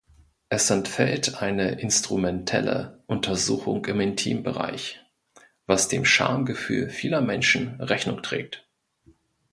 Es entfällt eine instrumentelle Untersuchung im Intimbereich, was dem Schamgefühl vieler Menschen Rechnung trägt.